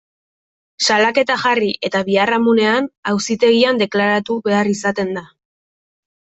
Salaketa jarri eta biharamunean, auzitegian deklaratu behar izaten da.